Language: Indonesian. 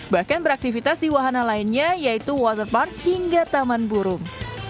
bahkan beraktivitas di wahana lainnya yaitu waterpark hingga taman burung